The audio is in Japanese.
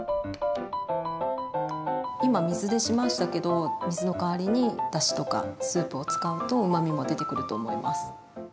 今水でしましたけど水の代わりにだしとかスープを使うとうまみも出てくると思います。